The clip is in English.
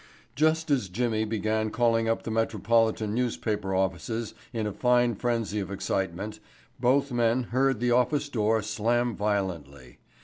Just as Jimmy began calling up the metropolitan newspaper offices in a fine frenzy of excitement, both men heard the office door slam violently.